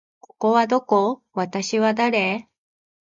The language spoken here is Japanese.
ここはどこ？私は誰？